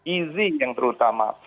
easy yang terutama